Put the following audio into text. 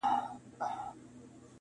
پلار یې راوستئ عسکرو سم په منډه,